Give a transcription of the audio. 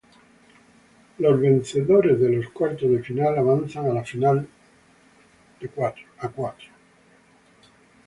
Los vencedores de los Cuartos de final avanzan a la Final Four.